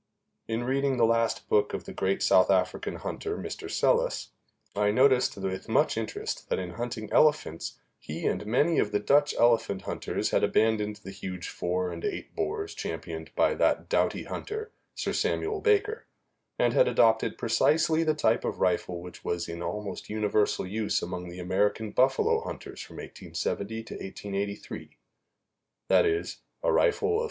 In reading the last book of the great South African hunter, Mr. Selous, I noticed with much interest that in hunting elephants he and many of the Dutch elephant hunters had abandoned the huge four and eight bores championed by that doughty hunter, Sir Samuel Baker, and had adopted precisely the type of rifle which was in almost universal use among the American buffalo hunters from 1870 to 1883 that is, a rifle of